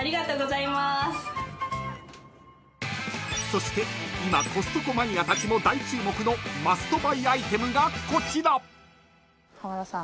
［そして今コストコマニアたちも大注目のマストバイアイテムがこちら］